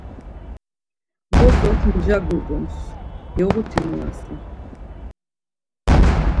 Bozok mja gubums, yoğut̆i nuasen.